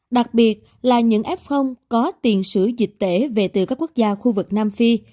đặc biệt là những f có tiền sử dịch tễ về từ các quốc gia khu vực nam phi